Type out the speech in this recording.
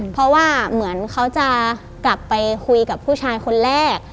เพราะว่าเหมือนเขาจะกลับไปคุยกับผู้ชายคนแรก